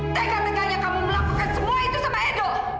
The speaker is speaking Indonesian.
tegak tegaknya kamu melakukan semua itu sama edo